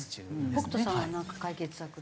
北斗さんはなんか解決策。